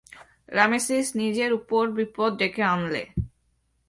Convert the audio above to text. Ramesses, নিজের উপর বিপদ ডেকে আনলে।